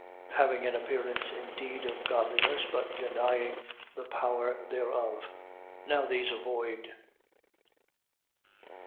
Having an appearance indeed of godliness but denying the power thereof. Now these avoid.